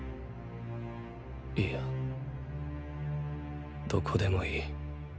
いやどこでもいい。